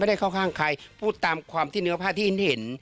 ได้เข้าข้างใครพูดตามความที่เนื้อผ้าที่เห็น